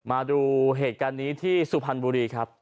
มาดูเหตุการณ์นี้ที่สุพรรณบุรีครับ